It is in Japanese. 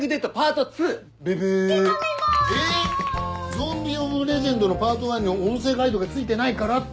『ゾンビオブレジェンド』のパート１に音声ガイドが付いてないからって。